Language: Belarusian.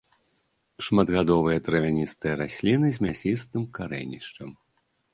Шматгадовыя травяністыя расліны з мясістым карэнішчам.